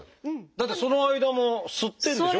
だってその間も吸ってるんでしょ？